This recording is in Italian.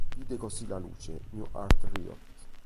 Vide così la luce "New Art Riot".